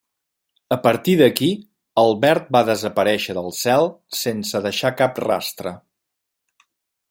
A partir d'aquí, Albert va desaparèixer del cel sense deixar cap rastre.